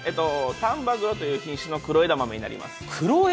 丹波黒という品種の黒枝豆になります。